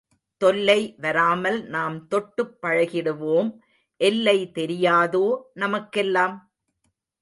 தொல்லை வராமல் நாம் தொட்டுப் பழகிடுவோம், எல்லை தெரியாதோ நமக்கெல்லாம்?